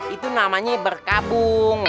itu namanya berkabung